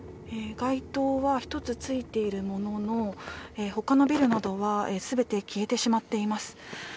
街灯は１つついているものの他のビルなどは全て消えてしまっています。